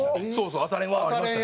朝練ありましたね。